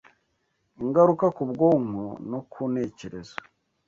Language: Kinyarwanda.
Ingaruka ku Bwonko no ku Ntekerezo